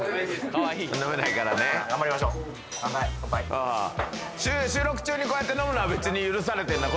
乾杯収録中にこうやって飲むのは別に許されてんだ